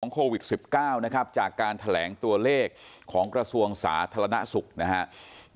โควิด๑๙นะครับจากการแถลงตัวเลขของกระทรวงสาธารณสุขนะครับ